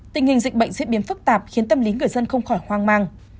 tình hình dịch bệnh diễn biến phức tạp khiến tâm lý người dân không khỏi hoang mang